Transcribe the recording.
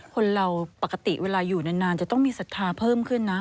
คนเราปกติเวลาอยู่นานจะต้องมีศรัทธาเพิ่มขึ้นนะ